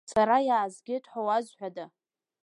Сара иаазгеит ҳәа уазҳәада?